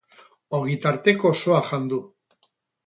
Ogitarteko osoa jan du.